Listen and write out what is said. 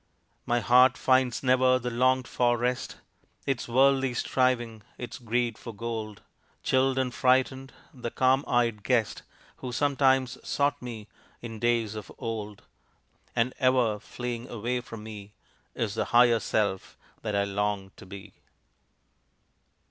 My heart finds never the longed for rest; Its worldly striving, its greed for gold, Chilled and frightened the calm eyed guest, Who sometimes sought me in days of old; And ever fleeing away from me Is the higher self that I long to be.